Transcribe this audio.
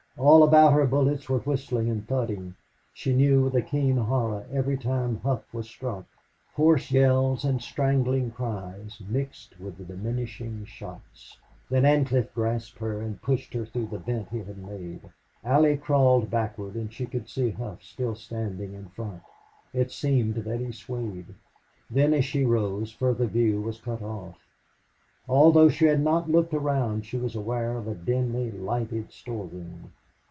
All about her bullets were whistling and thudding. She knew with a keen horror every time Hough was struck. Hoarse yells and strangling cries mixed with the diminishing shots. Then Ancliffe grasped her and pushed her through a vent he had made. Allie crawled backward and she could see Hough still standing in front. It seemed that he swayed. Then as she rose further her view was cut off. Although she had not looked around, she was aware of a dimly lighted storeroom.